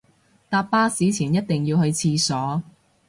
搭巴士前一定要去廁所